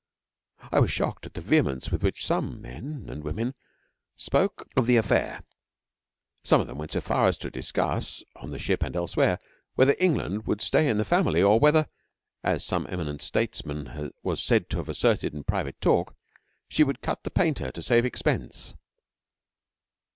I was shocked at the vehemence with which some men (and women) spoke of the affair. Some of them went so far as to discuss on the ship and elsewhere whether England would stay in the Family or whether, as some eminent statesman was said to have asserted in private talk, she would cut the painter to save expense.